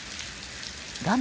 画面